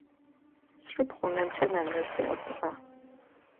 Сшыпхъу унэмкӏэ нэнэжъ дэӏэпыӏэ.